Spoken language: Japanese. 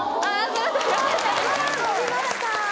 そう伸びました！